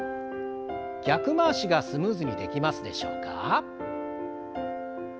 逆回しがスムーズにできますでしょうか？